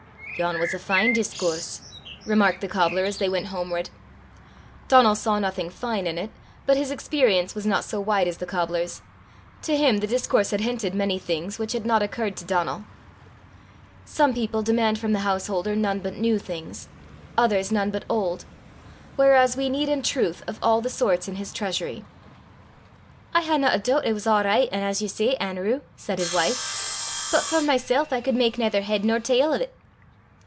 "Yon was a fine discoorse," remarked the cobbler as they went homeward. Donal saw nothing fine in it, but his experience was not so wide as the cobbler's: to him the discourse had hinted many things which had not occurred to Donal. Some people demand from the householder none but new things, others none but old; whereas we need in truth of all the sorts in his treasury. "I haena a doobt it was a' richt an' as ye say, Anerew," said his wife; "but for mysel' I could mak naither heid nor tail o' 't."